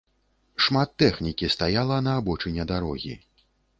Шмат тэхнікі стаяла на абочыне дарогі.